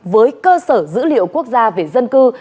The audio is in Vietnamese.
với cơ sở dữ liệu quốc gia về dân cư